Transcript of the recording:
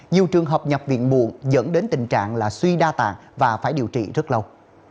nhiều trường hợp nhập viện muộn dẫn đến tình trạng là suy đa tạng và phải điều trị rất lâu